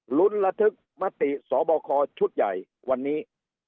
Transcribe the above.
ลุ้นระทึกมติสบคชุดใหญ่วันนี้